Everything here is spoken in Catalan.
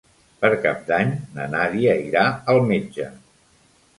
Per Cap d'Any na Nàdia irà al metge.